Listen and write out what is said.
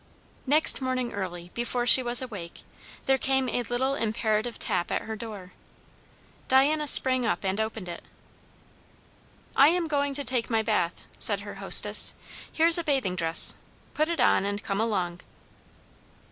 Next morning early, before she was awake, there came a little imperative tap at her door. Diana sprang up and opened it. "I am going to take my bath," said her hostess. "Here's a bathing dress put it on and come along."